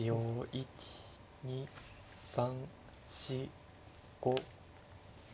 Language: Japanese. １２３４５。